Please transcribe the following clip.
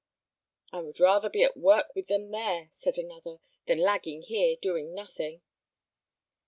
"I would rather be at work with them there," said another, "than lagging here, doing nothing."